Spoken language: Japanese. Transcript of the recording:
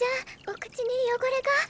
お口に汚れが。